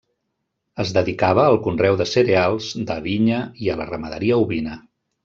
Es dedicava al conreu de cereals, de vinya i a la ramaderia ovina.